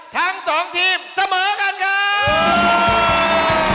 ทั้งสองทีมเสมอกันครับ